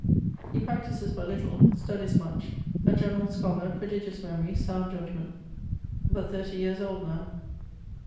He practises but little; studies much. A generall scholar, prodigious memorie, sound judgment; but 30 yeares old now.